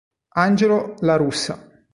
Angelo La Russa